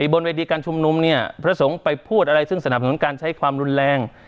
บนเวทีการชุมนุมเนี่ยพระสงฆ์ไปพูดอะไรซึ่งสนับสนุนการใช้ความรุนแรง